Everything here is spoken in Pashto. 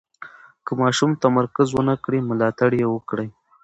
که ماشوم تمرکز ونه کړي، ملاتړ یې وکړئ.